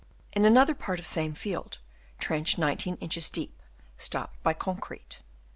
In another part of same field, trench 9 inches deep, stopped by concrete